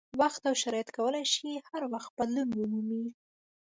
وخت او شرایط کولای شي هر وخت بدلون ومومي.